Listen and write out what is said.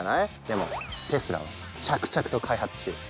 でもテスラは着々と開発中。